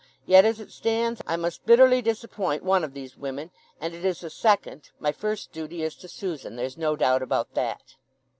Yet, as it stands, I must bitterly disappoint one of these women; and it is the second. My first duty is to Susan—there's no doubt about that."